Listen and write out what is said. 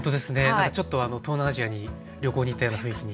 なんかちょっと東南アジアに旅行に行ったような雰囲気に。